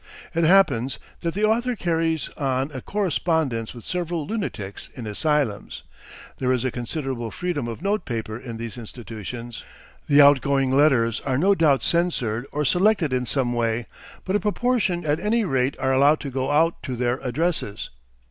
It happens that the author carries on a correspondence with several lunatics in asylums. There is a considerable freedom of notepaper in these institutions; the outgoing letters are no doubt censored or selected in some way, but a proportion at any rate are allowed to go out to their addresses.